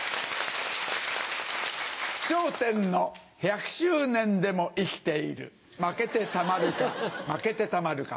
『笑点』の１００周年でも生きている負けてたまるか負けてたまるか。